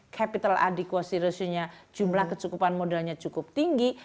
capital adequasi ratio nya jumlah kecukupan modalnya cukup tinggi